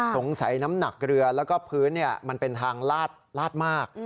น้ำหนักเรือแล้วก็พื้นมันเป็นทางลาดมาก